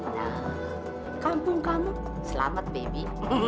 ya kampung kamu selamat baby